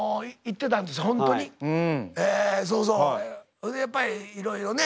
それでやっぱりいろいろね